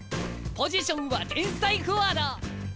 ポジションは天才フォワード！